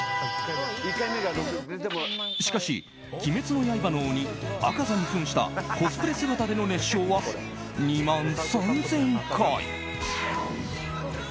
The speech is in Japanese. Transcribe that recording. しかし、「鬼滅の刃」の鬼猗窩座に扮したコスプレ姿での熱唱は２万３０００回。